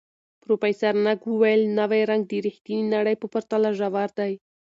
پروفیسر نګ وویل، نوی رنګ د ریښتیني نړۍ په پرتله ژور دی.